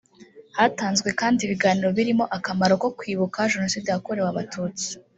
Hatanzwe kandi ibiganiro birimo akamaro ko kwibuka Jenoside yakorewe Abatutsi